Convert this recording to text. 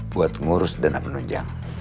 buat mengurus dana penunjang